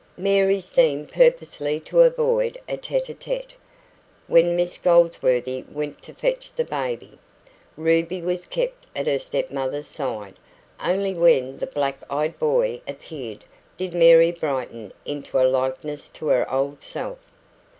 Mary seemed purposely to avoid a TETE A TETE. When Miss Goldsworthy went to fetch the baby, Ruby was kept at her step mother's side. Only when the black eyed boy appeared did Mary brighten into a likeness to her old self.